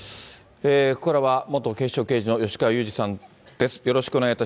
ここからは元警視庁刑事の吉川祐二さんです。